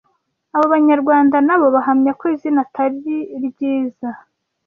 Abo banyarwanda nabo bahamya ko izina atri ryiza